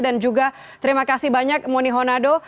dan juga terima kasih banyak moni honado